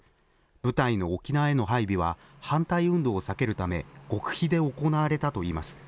部隊の沖縄への配備は、反対運動を避けるため、極秘で行われたといいます。